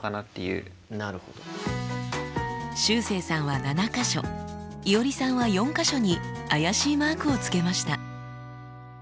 しゅうせいさんは７か所いおりさんは４か所に怪しいマークをつけました。